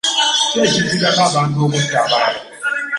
Ki ekiviirako abantu okutta abalala?